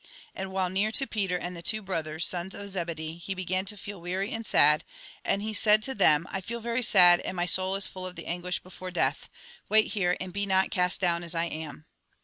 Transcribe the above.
And while near to Peter and the two brothers, sons of Zebedee, he began to feel weary and sad, and he said to them :" I feel very sad, and my soul is full of the anguish before death. Wait here, and be not cast down as I am."